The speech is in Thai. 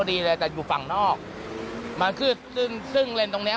แต่อยู่ฝั่งนอกมันคือซึ่งเลนส์ตรงเนี้ย